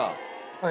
はい。